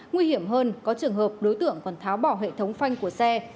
nguy hiểm hơn có trường hợp đối tượng còn tháo bỏ hệ thống phanh của xe